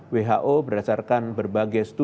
dan berdasarkan penelitian dari who